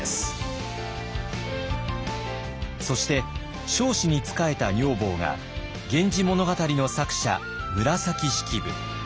そして彰子に仕えた女房が「源氏物語」の作者紫式部。